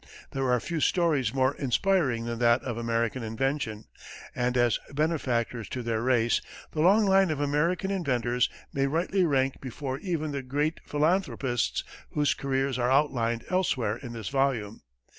There are few stories more inspiring than that of American invention, and as benefactors to their race, the long line of American inventors may rightly rank before even the great philanthropists whose careers are outlined elsewhere in this volume.